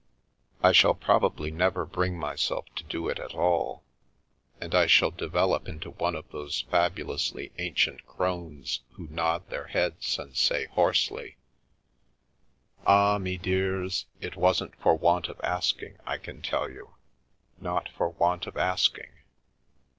I shall probably never bring myself to do it at all, and I shall develop into one of those fabu lously ancient crones who nod their heads and say hoarsely :' Ah, me dears, it wasn't for want of asking, I can tell you! Not for want of asking